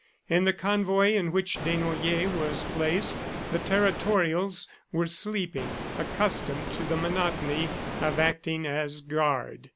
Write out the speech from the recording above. In the convoy in which Desnoyers was placed the Territorials were sleeping, accustomed to the monotony of acting as guard.